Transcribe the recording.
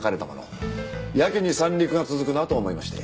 やけに三陸が続くなと思いまして。